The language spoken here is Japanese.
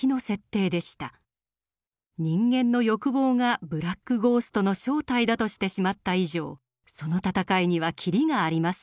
人類の欲望がブラック・ゴーストの正体だとしてしまった以上その戦いには切りがありません。